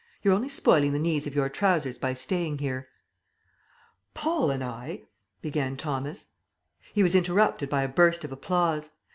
You're only spoiling the knees of your trousers by staying here." "Paul and I " began Thomas. He was interrupted by a burst of applause.